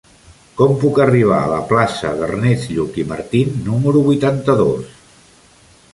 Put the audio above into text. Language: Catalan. Com puc arribar a la plaça d'Ernest Lluch i Martín número vuitanta-dos?